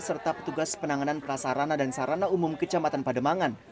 serta petugas penanganan prasarana dan sarana umum kecamatan pademangan